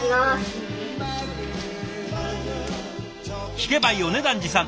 聞けば米團治さん